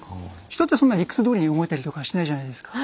人ってそんな理屈どおりに動いたりとかしてないじゃないですか。